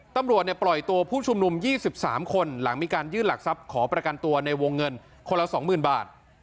ตำรวจปล่อยตัวผู้ชุมนุม๒๓คนหลังมีการยื่นหลักทรัพย์ขอประกันตัวในวงเงินคนละ๒๐๐๐บาท